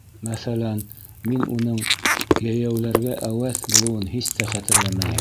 Мәҫәлән, мин уның «йәйәүләргә әүәҫ» булыуын һис тә хәтерләмәйем.